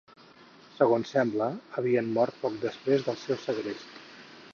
Segons sembla, havien mort poc després del seu segrest.